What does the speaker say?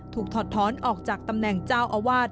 ถอดท้อนออกจากตำแหน่งเจ้าอาวาส